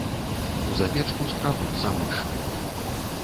У запечку скрабуцца мышы.